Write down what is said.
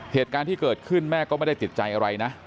เหตุการณ์ที่เกิดขึ้นแม่ก็ไม่ได้ติดใจอะไรนะ